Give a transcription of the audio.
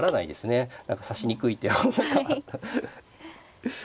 何か指しにくい手を何か。